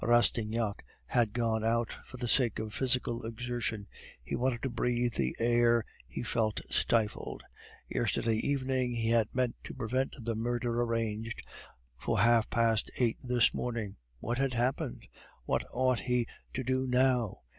Rastignac had gone out for the sake of physical exertion; he wanted to breathe the air, he felt stifled. Yesterday evening he had meant to prevent the murder arranged for half past eight that morning. What had happened? What ought he to do now?